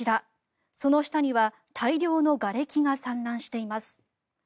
その下には大量のがれきが散乱しています。